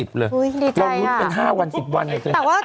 เยาว์ยุทธ์เป็น๕วัน๑๐วันเลย